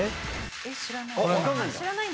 知らない？